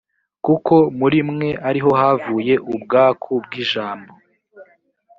kuko muri mwe ari ho havuye ubwaku bw ijambo